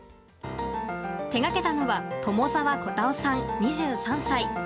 手掛けたのは友沢こたおさん、２３歳。